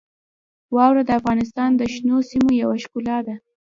واوره د افغانستان د شنو سیمو یوه ښکلا ده.